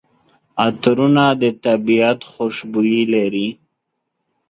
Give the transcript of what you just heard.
عطرونه د طبیعت خوشبويي لري.